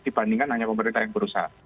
dibandingkan hanya pemerintah yang berusaha